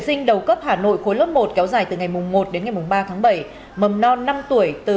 sinh đầu cấp hà nội khối lớp một kéo dài từ ngày mùng một đến ngày mùng ba tháng bảy mầm non năm tuổi từ